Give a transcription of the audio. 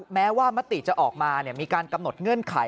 แม้ว่ามติจะออกมามีการกำหนดเงื่อนไข